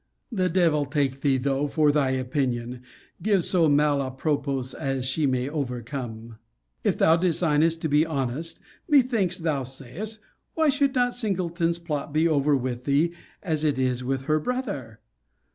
The devil take thee, though, for thy opinion, given so mal a propos, that she may be overcome. If thou designest to be honest, methinkst thou sayest, Why should not Singleton's plot be over with thee, as it is with her brother?